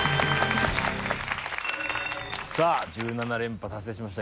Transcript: さあ１７連覇達成しました。